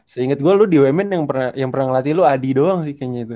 seinget gue lu di wmn yang pernah ngelatih lu adi doang sih kayaknya itu